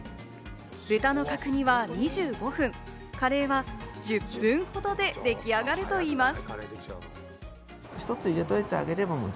豚の角煮は２５分、カレーは１０分ほどででき上がるといいます。